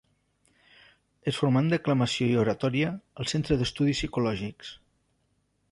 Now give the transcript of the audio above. Es formà en declamació i oratòria al Centre d'Estudis Psicològics.